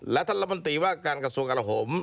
และท่านรับมันตรีว่ากาศกส่วนกำลังผม